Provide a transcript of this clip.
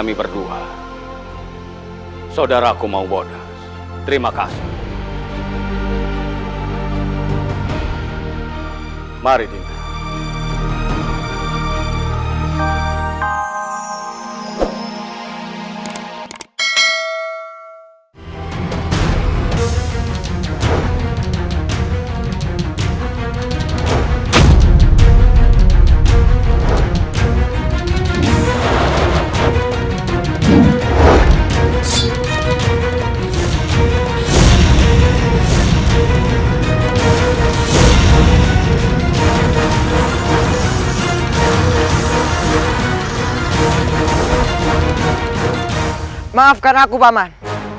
maafkan aku paman